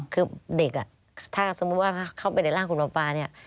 คือเด็กถ้าสมมุติว่าเข้าไปในร่างคุณหมอปลาเนี่ย